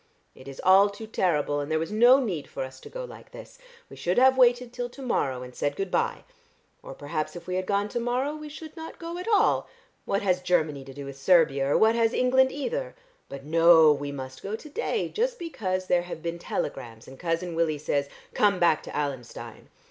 It is all too terrible, and there was no need for us to go like this. We should have waited till to morrow, and said good bye. Or perhaps if we had gone to morrow we should not go at all. What has Chermany to do with Servia, or what has England either? But no, we must go to day just because there have been telegrams, and Cousin Willie says, 'Come back to Allenstein.'